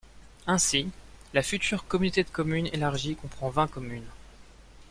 Ainsi, la future communauté de communes élargie comprend vingt communes.